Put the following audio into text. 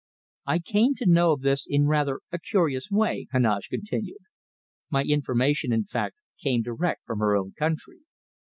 "I came to know of this in rather a curious way," Heneage continued. "My information, in fact, came direct from her own country.